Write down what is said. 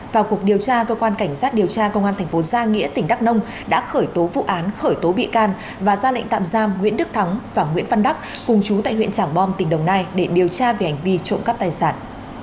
vào cuộc điều tra cơ quan cảnh sát điều tra công an thành phố gia nghĩa tỉnh đắk nông đã khởi tố vụ án khởi tố bị can và ra lệnh tạm giam nguyễn đức thắng và nguyễn văn đắc cùng chú tại huyện trảng bom tỉnh đồng nai để điều tra về hành vi trộm cắp tài sản